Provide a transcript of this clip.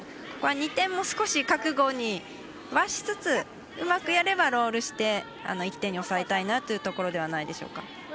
ここは２点も、少し覚悟はしつつうまくやればロールして１点に抑えたいなというところではないでしょうか。